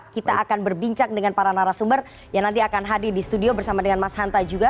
kita akan berbincang dengan para narasumber yang nanti akan hadir di studio bersama dengan mas hanta juga